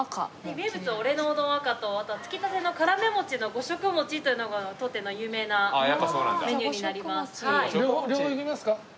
名物は俺のうどん赤とあとはつきたてのからめもちの５色もちというのが当店の有名なメニューになります。